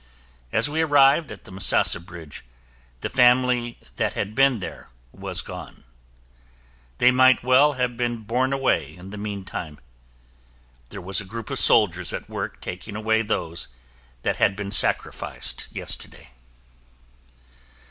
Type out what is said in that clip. As we arrived at the Misasa Bridge, the family that had been there was gone. They might well have been borne away in the meantime. There was a group of soldiers at work taking away those that had been sacrificed yesterday.